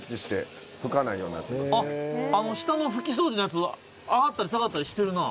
下の拭き掃除のやつ上がったり下がったりしてるなぁ。